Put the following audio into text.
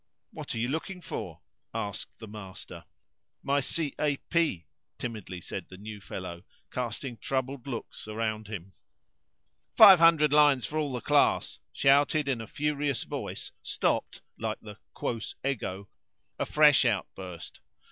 "What are you looking for?" asked the master. "My c a p," timidly said the "new fellow," casting troubled looks round him. "Five hundred lines for all the class!" shouted in a furious voice stopped, like the Quos ego, a fresh outburst.